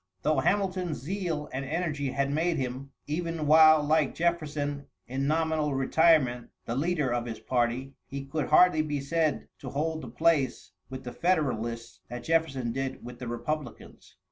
Though Hamilton's zeal and energy had made him, even while like Jefferson in nominal retirement, the leader of his party, he could hardly be said to hold the place with the Federalists that Jefferson did with the Republicans.